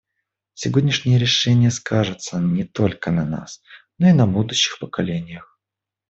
Сегодняшние решения скажутся не только на нас, но и на будущих поколениях.